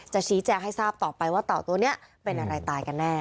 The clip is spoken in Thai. ชี้แจงให้ทราบต่อไปว่าเต่าตัวนี้เป็นอะไรตายกันแน่